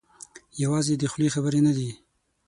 یوازې د خولې خبرې نه دي.